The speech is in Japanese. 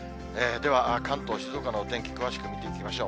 では、関東、静岡のお天気、詳しく見ていきましょう。